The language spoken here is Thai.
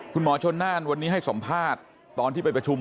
คุณหมอชนน่านวันนี้ให้สัมภาษณ์ตอนที่ไปประชุม